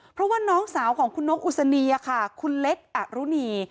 เพราะว่าน้องสาวของคุณนกอุศนีค่ะคุณเล็กอรุณี